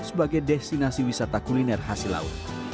sebagai destinasi wisata kuliner hasil laut